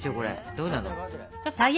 どうなの？